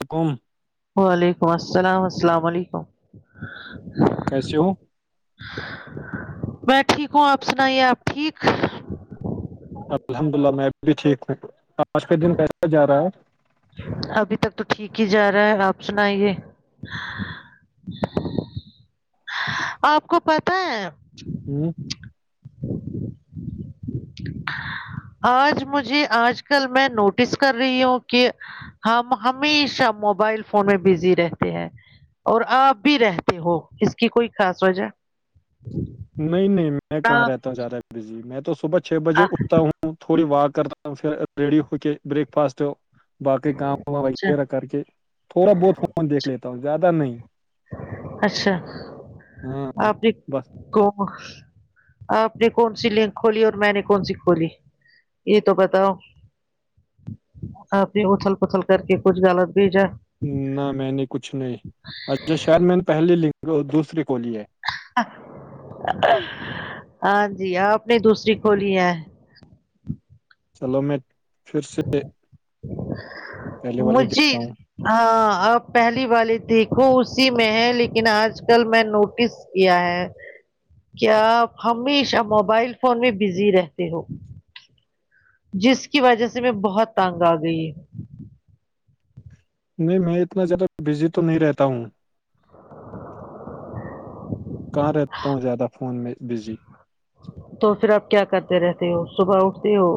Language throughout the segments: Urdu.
حکم ڑسفعک کیسے ہووں میں ٹھیک ہوں آپ سنائیے آپ ٹھیک الحمد للہ میں ابھی بھی ٹھیک ہوں آج کے دن کیسا جا رہا ہے ابھی تک تو ٹھیک ہی جا رہا ہے آپ سنائیے آپ کو پت ہے ہوں آج مجھے آج کل میں نوٹس کر رہی ہوں کہ ہم ہمیشہ موبائل فون میں بزی رہتے ہیں اور آپ بھی رہتے ہو اس کی کوئی خاص وجہ نہیں نہیں میں کہاں آپ- رہتا ہوں زیادہ بزی میں تو صبح چھ بجے آ- اٹھتا ہوں تھوڑی واک کرتا پھر ریڈی ہو کے بریک فاسٹ باقی کام اچھا وغیرہ کر کے تھوڑا بہت فون دیکھ لیتا ہوں زیادہ نہیں اچھا ہاں آپ نے بس کو [inaudible] آپ نے کون سی لنک کھولی اور میں نے کون سی کھولی یہ تو بتاؤ اھر اتھل پتھل کر کے کچھ غلط بھی جا نہ میں نے کچھ نہیں جو شہر میںین پہلیگ اور دوسری کولی ہے ہاں جی آ اپنی دوسری کوول ہی ہے چلو میں پھر سے پہلے والی دیکھتا مجیر ہوں ہاں آپ پہلی والی دیکھو اسی میں ہے لیکن آج کل میں نوٹس کیا ہے کیا آپ ہمیشہ موبائل فون میں بزی رہتے ہو جس کی وجہ سے میں بہت تنگ آ گئی ہ نہیں میں اتنا زیادہ بزی تو نہیں رہتا ہوں کہاں رہتا ہوں زیادہ فون میں بزی تو پھر آپ کیا کرتے رہتے ہو صبح اٹھتے ہو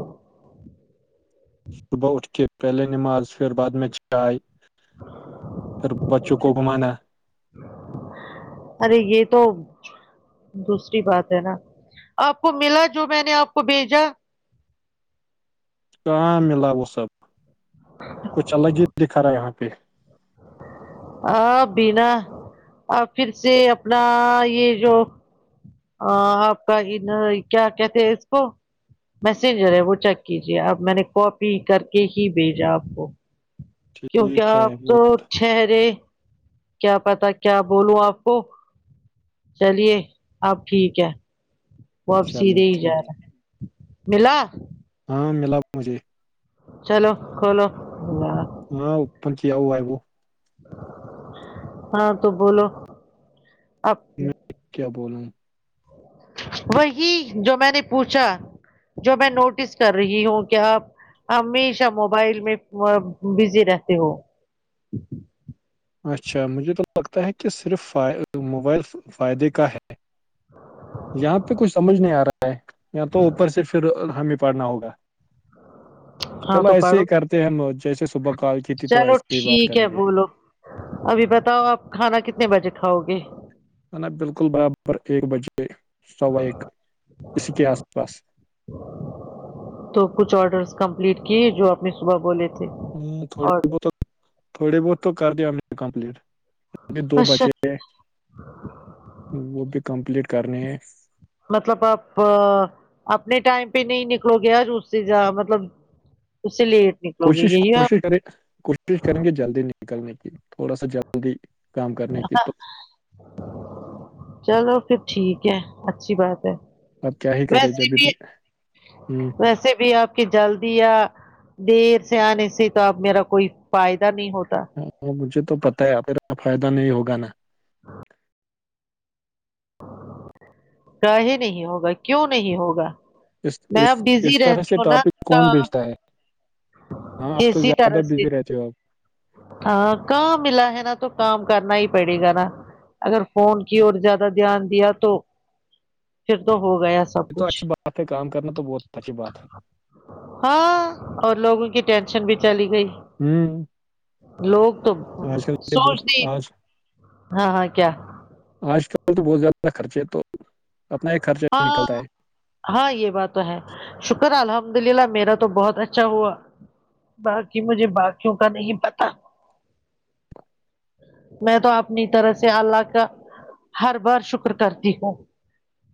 صبح اٹھ کے پہلے نماراز پھر بعد میں چ گائے پھر بچوں کو گھمانا ارے یہ تو دوسری بات ہے نا آپ کو ملا جو میں نے آپ کو بھیجا کااں ملا وہ سب کچھ الگ ہی دکھ رہا ہے یہاں پہ آ بینا پھر سے اپنا یہ جو ہ آپ کا کیا کہتے ہیں اس کو میسینجر ہے وہ چیک کیجیے اپ میں نے کاپی کر کے ہی بھیجا آپ کو کیونکہ ٹھیک ہے آپ تو وہ چٹہرے [inaudible] کیا پتا کیا بولوں آپ کو چلیے اب ٹھیک ہے وہ اب چلو سیدھے ہی جا ٹھیک رہے ملا ہاں ملا مجھے چلو کھولو اللہ ہاں پرچ آؤ آئی کو ہاں تو بولو آپ میں کیا بول وہی جو میں نے پوچھا جو میں نوٹس کر رہی ہوں کہ آپ ہمیشہ موبائل میں بزی رہتے ہو اچھا مجھے تو لگتا ہے کہ صرف ف موبائل فائدے کا ہے یہاں پہ کچھ سمجھ نہیں آ رہا ہے یا تو اوپر سے پھر ہمیں پڑھنا ہوگا ہاں چلو تو ایسے پڑھو ہی کرتے ہیں ہم جیسے صبح کال کی تھی تو چلو ایسے ہی بات ٹھیک کریں ہے گے بولو ابھی بتاؤ آپ کھانا کتنے بجے کھاؤ گے ن نا بالکل برابر ایک بجے سوائک اسی کے آس پاس تو کچھ آڈرس کمپلیٹ کیے جو آپ نے صبح بولے تھے ہ اور تھوڑے بہت تھوڑے بہت تو کر دیا ہم نے کمپلیٹ دو اچھا بچے وہ بھی کمپلیٹ کرنی ہے مطلب آپ اپنے ٹائم پہ نہیں نکلو گیا رس سے ج مطلب اس لیے کوشش کوشش کریں کوشش کریں گے جلدی نکلنے کی تھوڑا سا جلی جلی کام کرنے کی تو چلو پھر ٹھیک ہے اچھی بات ہے اب کیا ہی کرے ویسے جب بھی اتن- ہوں، ویسے بھی آپ کہ جلدی یا دیر سے آنے سے تو اب میرا کوئی فائدہ نہیں ہوتا ہاں مجھے تو پتہ ہے میرا فائدہ نہیں ہوگا نا ہاں کاے نہیں ہوگا کیوں نہیں ہوگا اس میں اب اس بزی اس طرح رہتی سے ہوں نا ٹاپک کون بھیجتا ہے ہاں اب تو اسی زیادہ طرح سے بزی رہتی ہو اپ ہاں کااں ملا ہے نا تو کام کرنا ہی پڑے گا نا اگر فون کی اور زیادہ دھیان دیا تو [inaudible] پھر تو ہو گیا سب کچھ ہ پہ کام کرنا تو بہت اچی بات ہے ہاں اور لوگوں کی ٹینشن بھی چلی گئی ہوں لوگ تو آج کل یہ بہت سوچتے ہی آج ہاں ہاں کیا آج کل تو بہت زیادہ خرچے ہے تو اپنا ہی خرچہ ہاں نکلتا ہے ہاں یہ بات تو ہے شکر الحمد للہ میرا تو بہت اچھا ہوا باقی مجھے باقیوں کا نہیں پتا میں تو اپنی طرح سے اللہ کا ہر بار شکر کرتی ہے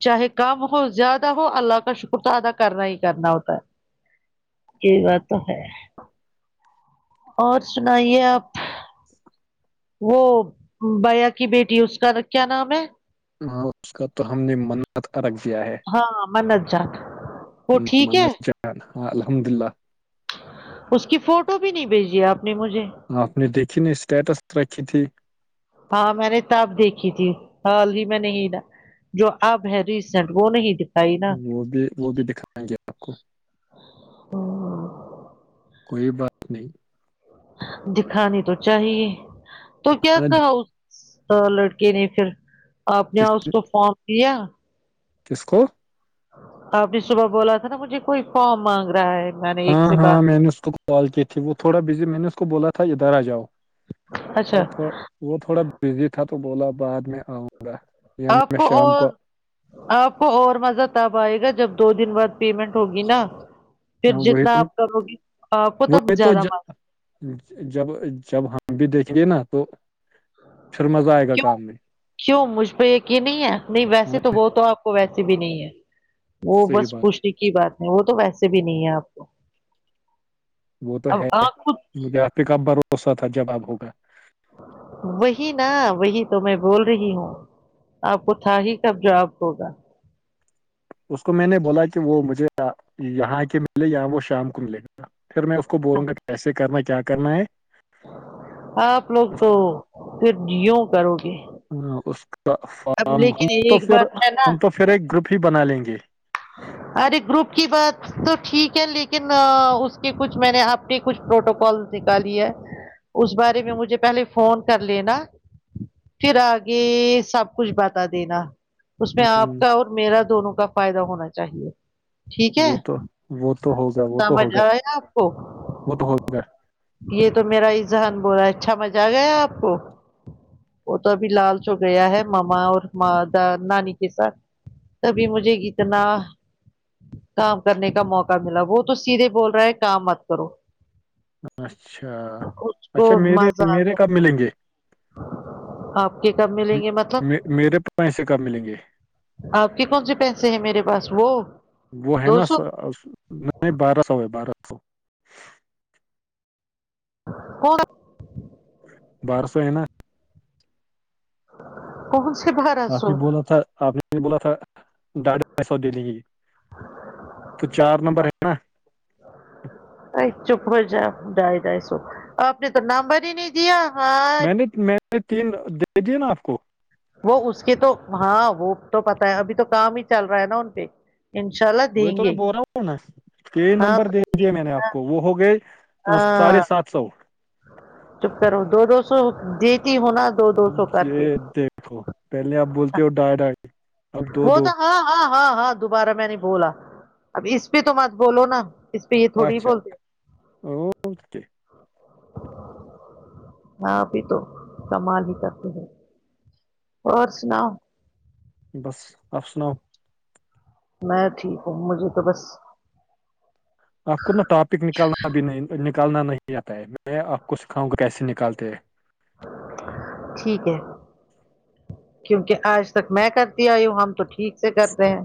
چاہے کم ہو زیادہ ہو اللہ کا شکر تو ادا کرنا ہی کرنا ہوتا ہے کئی بات تو ہے ہ [unintelligible] اور سنائیے آپ وہ بیا کی بیٹی اس کا کیا نام ہے ہاں اس کا تو ہم نے منعت ارکھ دیا ہے ہاں منت جات وہ ٹھیک ہے منت ہاں الحمد للہ اس کی فوٹو بھی نہیں بھیجی ہے آپ نے مجھے آپ نے دیکھی نہیں اسٹیٹس رکھی تھی ہاں میں نے تب دیکھی تھی ہال ہی میں نہیں تھا جو اب ہے ریسینٹ وہ نہیں دکھتا وہ بھی وہ بھی دکھا گے آپ کو کوئی بات نہیں دکھانی تو چاہیے تو کیا آج کہا اس تو لڑکے نے پھر آپ نے کس اس کو فارم دیا کس کو آپ نے صبح بولا تھا نا مجھے کوئی فارم مانگ رہا ہے میں نے ایک ہاں سے ہاں بات میں نے اس کو کال کی تھی وہ تھوڑا بزی میں نے اس کو بولا تھا ادھر آ جاؤ وہ اچھا تھ وہ تھوڑا بزی تھا تو بولا بعد میں آؤں گا یا آپ میں کو شام اور آپ کو اور مزہ تب آئے گا جب دو دن بعد پیمنٹ ہوگی نا پھر ہاں وہی جتنا تم آپ کرو گی کتب وہی تو زیادہ مار جب جب ہم بھی دیکھیں گے نا تو پھر مزہ آئے گا کیوں کام میں کیوں مجھ پہ یقین نہیں ہے نہیں ہاں ویسے تو وہ تو آپ کو ویسی بھی نہیں ہے وہ صحیح بس بات پوچنے کی بات ہے وہ تو ویسے بھی نہیں ہے آپ کو وہ تو اب ہے آپ کو مجھے آپ کے کب بھروسہ تھا جو اب ہوگا وہی نا وہی تو میں بول رہی ہوں آپ کو تھا ہی کب جو اب ہوگا اس کو میں نے بولا کہ وہ مجھے یہاں کے ملے وہ شام کو گا پھر میں اس کو بولوں گا کیسے کرنا کیا کرنا ہے آپ لوگ تو پھر جیوں کرو گے اس کا اب فارم ہم لیکن تو ایک پھر بات ہے نا ہم تو پھر ایک گروپ ہی بنا لیں گے ارے گروپ کی بات تو ٹھیک ہے لیکن اس کے کچھ میں نے آپ کچھ پروٹوکال نکالی ہے اس بارے میں مجھے پہلے فون کر لینا پھر آگے سب کچھ بتا دینا اس میں آپ ہوں، کا اور میرا دونوں کا فائدہ ہونا چاہیے ٹھیک ہے وہ تو وہ تو ہوگا وہ تو سمجھ ہوگا آیا آپ کو وہ تو ہوگا یہ تو میرا ا ذہان بول رہا ہے اچھا مزہ آ گیا آپ کو وہ تو ابھی لال چوک گیا ہے ماما اورا نانی کے ساتھ تبھی مجھے اتنا کام کرنے کا موقع ملا وہ تو سیدھے بول رہا ہے کام مت کرو اچھا اس کو اچھا میرے مزہ میرے آتا کب ملیں گے آپ کے کب ملیں گے مطلب میرے پیسے کب ملیں گے آپ کے کون سے پیسے ہیں میرے پاس وہ وہ ہے دو نا سو نہیں بارہ سو ہے بارہ سو کو [inaudible] بارہ سو ہے نا کون سے بارہ آپ نے سو بولا تھا آپ نے نے بولا تھا ڈاڑھے پیسوں دے دگی تو چار نمبر ہے نا چپ ہو جائے ڈھای سو اپ نے تو نامبر ہی نہیں دیا ہاں میں نے میں نے تین دے دیے نا آپ کو وہ اس کے تو ہاں وہ تو پتا ہے ابھی تو کام ہی چل رہا ہے نا ان پہ انشاء اللہ وہ دیں تو میں گے بول رہا ہوں نا یہ ہاں نمبر دے دے میں نے آپ کو وہ ہو گئے ہاں ساڑھے سات سو چپ کرو دو دو سو دیتی ہونا یہ دیکھو پہلے آپ بولتے ہو ڈھائی ڈھائی اب دو وہ دو تو ہاں ہاں ہاں ہاں دوبارہ میں نے بولا اب اس پہ تو مات بولو نا اس پہ یہ تھوڑی اچھا ا ہاں ابھی تو کمال ہی کرتے ہیں اور سناؤ بس آپ سناؤ میں ٹھیک ہوں مجھے تو بس آپ کو ٹاپک نکالنا بھی نہیں نکالنا نہیں آتا ہے میں آپ کو سکھاؤں گا کیسے نکالتے ہیں ٹھیک ہے کیونکہ آج تک میں کرتی آئی ہوں ہم تو ٹھیک سے کرتے ہیں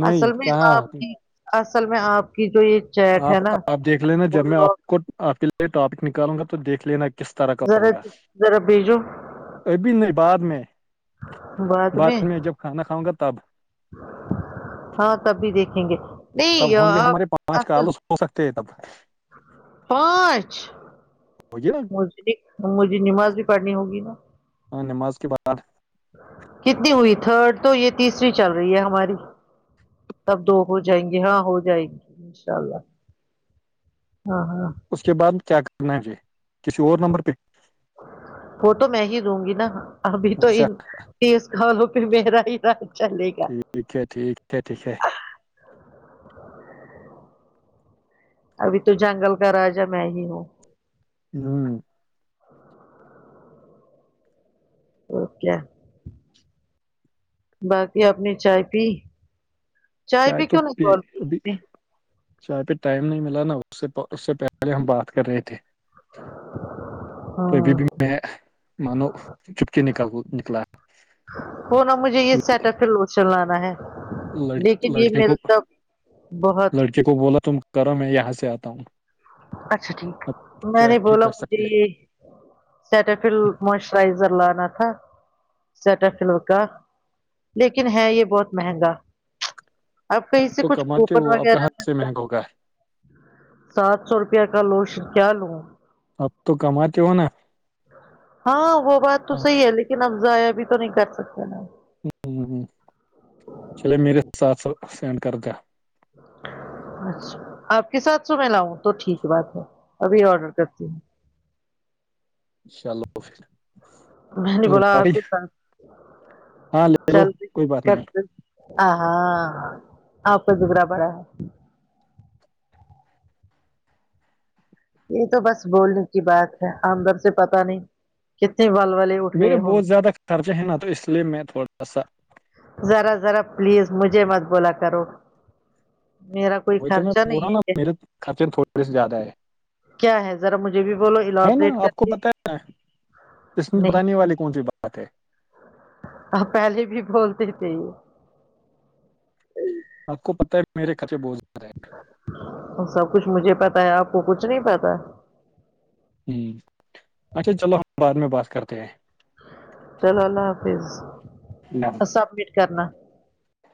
نہیں اصل میں کہاں آپ کی اصل میں آپ کی جو یہ چیٹ ہے آپ نا آپ دیکھ لینا وہ جب میں آپ لوگ کو آپ کے لیے ٹاپک نکالوں گا تو دیکھ لینا کس طرح کا ذرا ہوگا ذرا بیجو ابھی نہیں بعد میں بات میں بعد جب کھانا کھاؤں گا تب ہاں تب بھی دیکھیں گے نہیں تب ہوں گے یار، آپ ہمارے پانچ اصل کالس ہو سکتے ہیں تب پانچ ہوگی نا مج مجھے نماز بھی پڑھنی ہوگی نا ہاں نماز کے بعد کتنی ہوئی تھرڈ تو یہ تیسری چل رہی ہے ہماری تب دو ہو جائیں گے ہاں ہو جائےیں گی انشاء اللہ ہاں ہاں اس کے بعد کیا کرنا ہے یہ کسی اور نمبر پہ وہ تو میں ہی دوں گی نا ابھی تو اچھا تیس گالوں پہ میرا ہی راج چلے گا ٹھیک ہے ٹھیک ہے ٹھیک ہے ابھی تو جنگل کا راجا میں ہی ہوں جوں اوکے باقی آپنی چائے پی چائے پی کہون بول پی چاہے پہ ٹائم نہیں ملا نا اس سے اس سے پہلے ہم بات کر رہے تھے [inaudible] تو ابھی بھی ہاں میں مانو چپ کے نک نکلا ہو نا مجھے یہ سیٹ اپ پ لوشل لانا ہے لیکن لڑکی یہ لڑکے مل کو سب بہت لڑکے کو بولا تم کرو م میں یہاں سے آتا ہوں اچھا ٹھیک اب میں کیا نہیں ہی بولا کر مجھے سکتے اب سیٹفل موسچرائزر لانا تھا سٹر فل کا لیکن ہے یہ بہت مہنگا اب کہیں سے تو کچھ کماتے کوپن ہو اب وغیرہ کہاں سے لتا مہنگا ہوگا سات سو روپئے کا لوش کیا لوں اب تو کماتے ہو نا ہاں وہ بات تو اوکے، صحیح ہے لیکن اب ضائع بھی تو نہیں کر سکتے نا ہ ہ ہ چلے میرے سات س سینڈ کر دا اچھا آپ کے ساتھ سو میں لاؤں تو ٹھیک بات ہے ابھی آرڈر کرتی ہوں چلو پھر میں نے بولا آپ کے سات ہاں لے لو کوئی بات نہیں چلتےتے آ ہاں آپ دوبرا پڑا ہے یہ تو بس بولنے کی بات ہے ہمدر سے پت نہیں کتنے وال والے اٹھ میرے گئے ہوں بہت زیادہ خرچے ہیں نا تو اس لیے میں تھوڑا سا ذرا ذرا پلیز مجھے مت بولا کرو میرا کوئی وہی تو میں خرچہ بول رہا ہ نہیں ہے نا کہ میرے خرچے تھوڑے سے زیادہ ہے کیا ہے ذرا مجھے بھی بولو ہے نا اللابریٹ کر آپ کو کے پتا ہے ن کسم نہیں بتانے والی کون سی بات ہے آ پہلے بھی بولتے تھے یہ آپ کو پتتا ہے میرے کطے بوھ سب کچھ مجھے پتا ہے آپ کو کچھ نہیں پتا ہوں اچھا چلو ہم بعد میں بات کرتے ہیں چلو اللہ حافظ ہیں سبمٹ کرنا